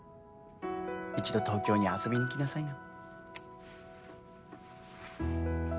一度東京に遊びに来なさいな。